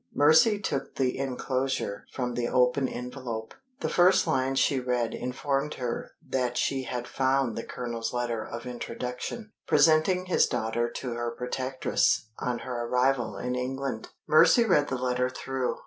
Mercy took the inclosure from the open envelope. The first lines she read informed her that she had found the Colonel's letter of introduction, presenting his daughter to her protectress on her arrival in England. Mercy read the letter through.